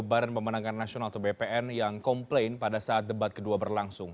badan pemenangkan nasional atau bpn yang komplain pada saat debat kedua berlangsung